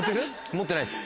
持ってないです。